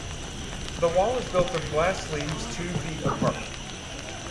The wall is built of glass leaves two feet apart.